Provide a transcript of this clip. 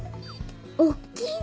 おっきいね。